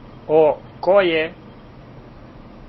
О, ко је?